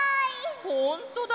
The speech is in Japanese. ほんとだ！